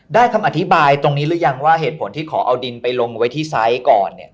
คำอธิบายตรงนี้หรือยังว่าเหตุผลที่ขอเอาดินไปลงไว้ที่ไซส์ก่อนเนี่ย